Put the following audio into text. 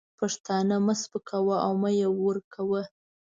پښتانه مه سپکوه او مه یې ورکوه.